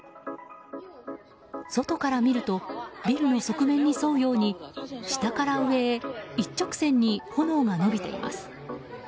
外から見るとビルの側面に沿うように下から上へ一直線に炎が伸びています。